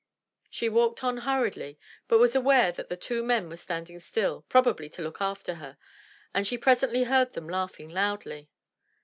She walked on hurriedly but was aware that the two men were standing still, probably to look after her, and she presently heard them laughing loudly.